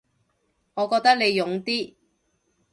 我覺得你勇啲